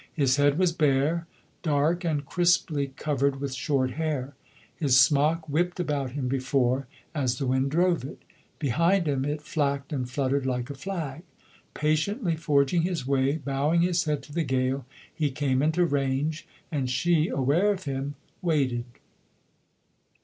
His head was bare, dark and crisply covered with short hair. His smock whipped about him before, as the wind drove it; behind him it flacked and fluttered like a flag. Patiently forging his way, bowing his head to the gale, he came into range; and she, aware of him, waited.